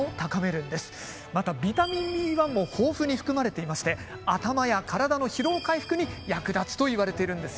またビタミンＢ１も豊富に含まれていまして頭や体の疲労回復に役立つといわれているんですよ。